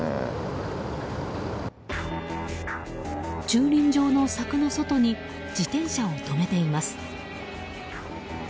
駐輪場の柵の外に自転車を止めています。